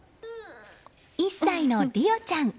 １歳の莉想ちゃん。